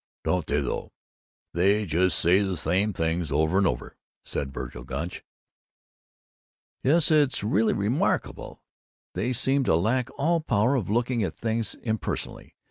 "Don't they, though! They just say the same things over and over," said Vergil Gunch. "Yes, it's really remarkable. They seem to lack all power of looking at things impersonally.